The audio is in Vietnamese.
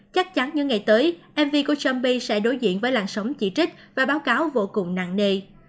chắc chắn những ngày tới mv của champi sẽ đối diện với làn sóng chỉ trích và báo cáo vô cùng nặng nề